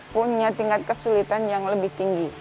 punya tingkat kesulitan yang lebih tinggi